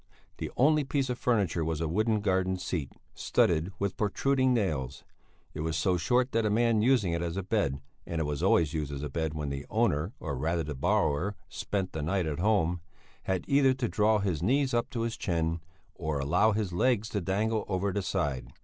The only piece of furniture was a wooden garden seat, studded with protruding nails. It was so short that a man using it as a bed and it was always used as a bed when the owner, or rather the borrower, spent the night at home had either to draw his knees up to his chin, or allow his legs to dangle over the side.